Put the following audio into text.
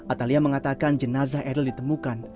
atalia mengatakan jenazah eril ditemukan